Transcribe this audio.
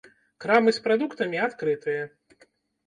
Крамы з прадуктамі адкрытыя.